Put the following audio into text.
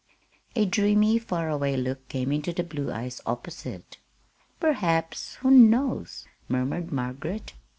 A dreamy, far away look came into the blue eyes opposite. "Perhaps! who knows?" murmured Margaret.